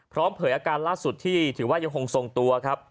เผยอาการล่าสุดที่ถือว่ายังคงทรงตัวครับ